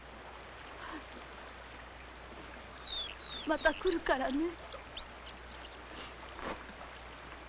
また来るからね。